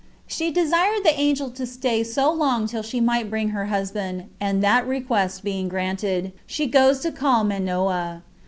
She desired the angel to stay so long till she might bring her husband; and that request being granted, she goes to call Manoah.